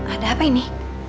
ada apa ini